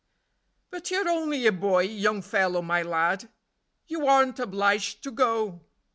"But you're only a boy, Young Fellow My Lad; You aren't obliged to go."